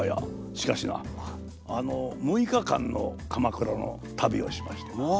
しかしな６日間の鎌倉の旅をしましてな